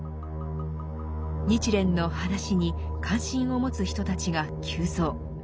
日蓮の話に関心を持つ人たちが急増。